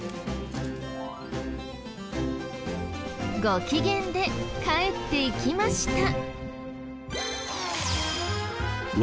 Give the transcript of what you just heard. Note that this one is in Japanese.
ごきげんで帰っていきました。